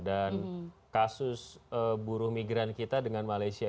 dan kasus buruh migran kita dengan malaysia